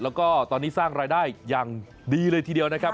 แล้วก็ตอนนี้สร้างรายได้อย่างดีเลยทีเดียวนะครับ